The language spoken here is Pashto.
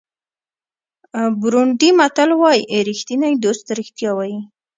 بورونډي متل وایي ریښتینی دوست رښتیا وایي.